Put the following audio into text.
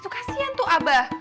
kasian tuh abah